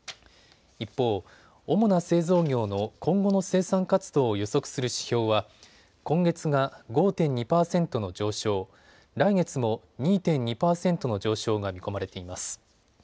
一方、主な製造業の今後の生産活動を予測する指標は今月が５．２％の上昇、来月も２．２％の上昇が見込まれています。